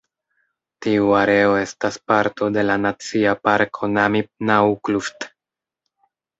Tiu areo estas parto de la Nacia Parko Namib-Naukluft.